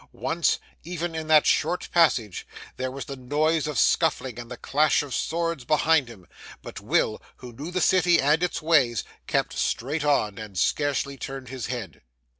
Once, even in that short passage, there was the noise of scuffling and the clash of swords behind him, but Will, who knew the City and its ways, kept straight on and scarcely turned his head.